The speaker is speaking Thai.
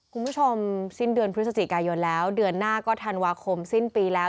คุณผู้ชมสิ้นเดือนพฤศจิกายนแล้วเดือนหน้าก็ธันวาคมสิ้นปีแล้ว